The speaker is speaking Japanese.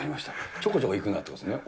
ちょこちょこいくなってことですね？